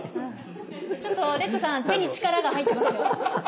ちょっとレッドさん手に力が入ってますよ。